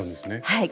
はい。